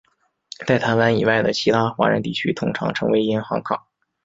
在台湾以外的其他华人地区通常称为银行卡。